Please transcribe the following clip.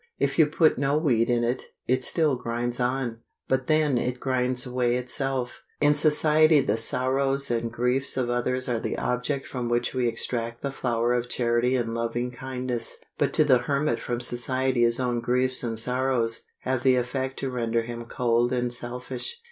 If you put no wheat in it, it still grinds on; but then it grinds away itself. In society the sorrows and griefs of others are the object from which we extract the flour of charity and loving kindness; but to the hermit from society his own griefs and sorrows have the effect to render him cold and selfish.